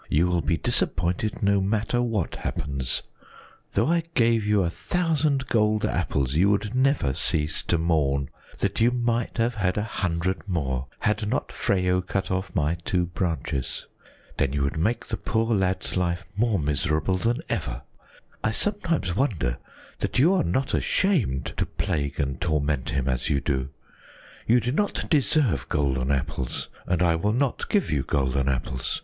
"You will be disappointed no matter what happens! Though I gave you a thousand golden apples, you would never cease to mourn that you might have had a hundred more had not Freyo cut off my two branches. Then you would make the poor lad's life more miserable than ever. I sometimes wonder that you are not ashamed to plague and torment him as you do. You do not deserve golden apples, and I will not give you golden apples.